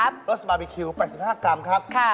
สบาร์บีคิว๘๕กรัมครับ